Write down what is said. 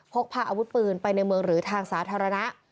พกพาอาวุธปืนไปในเมืองหรือทางสาธารณะ